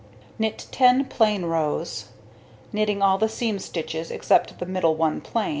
Knit 10 plain rows, knitting all the seam stitches except the middle one plain.